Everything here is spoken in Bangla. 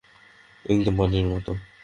একদম পানির মত।